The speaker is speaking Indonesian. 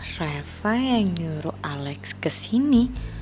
reva yang nyuruh alex kesini